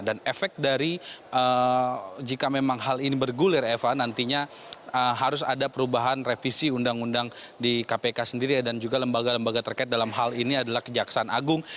dan efek dari jika memang hal ini bergulir eva nantinya harus ada perubahan revisi undang undang di kpk sendiri dan juga lembaga lembaga terkait dalam hal ini adalah kejaksaan agung